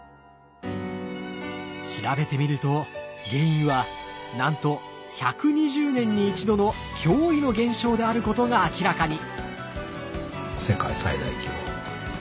調べてみると原因はなんと１２０年に一度の驚異の現象であることが明らかに！